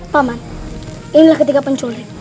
paman inilah ketiga penculik